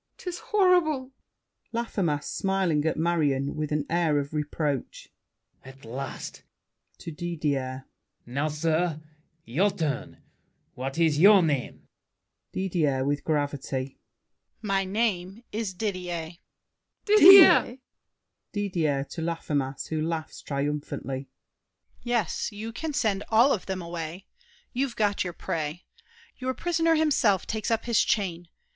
'Tis horrible! LAFFEMAS (smiling at Marion, with an air of reproach). At last! [To Didier.] Now, sir, your turn. What is your name? DIDIER (with gravity). My name is Didier! MARION, LAFFEMAS, SAVERNY. Didier! DIDIER (to Laffemas, who laughs triumphantly). Yes, you can Send all of them away. You've got your prey. Your prisoner himself takes up his chain.